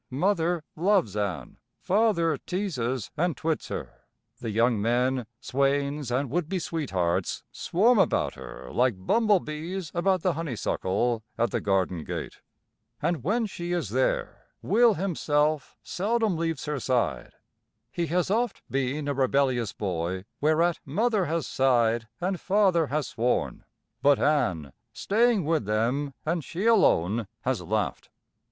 Mother loves Ann; Father teases and twits her; the young men, swains and would be sweethearts, swarm about her like bumblebees about the honeysuckle at the garden gate. And when she is there, Will himself seldom leaves her side. He has oft been a rebellious boy, whereat Mother has sighed and Father has sworn; but Ann, staying with them, and she alone, has laughed.